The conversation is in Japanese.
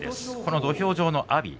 土俵上は阿炎